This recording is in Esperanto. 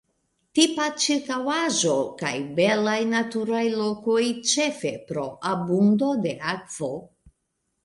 Tipa ĉirkaŭaĵo kaj belaj naturaj lokoj ĉefe pro abundo de akvo.